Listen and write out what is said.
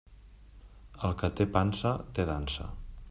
El que té pansa, té dansa.